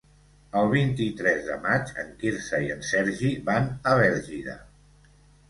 El vint-i-tres de maig en Quirze i en Sergi van a Bèlgida.